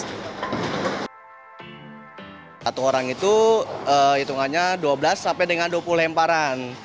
satu orang itu hitungannya dua belas sampai dengan dua puluh lemparan